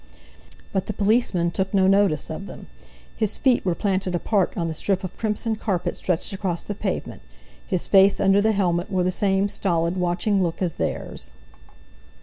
But the policeman took no notice of them; his feet were planted apart on the strip of crimson carpet stretched across the pavement; his face, under the helmet, wore the same stolid, watching look as theirs.